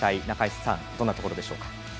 中井さん、どんなところでしょう。